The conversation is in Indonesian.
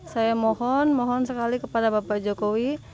saya mohon mohon sekali kepada bapak jokowi